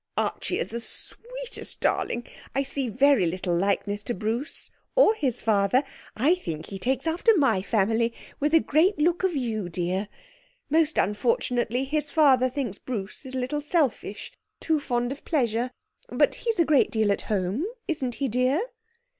Archie is the sweetest darling. I see very little likeness to Bruce, or his father. I think he takes after my family, with a great look of you, dear. Most unfortunately, his father thinks Bruce is a little selfish ... too fond of pleasure. But he's a great deal at home, isn't he, dear?'